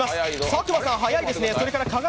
佐久間さん、早いですね。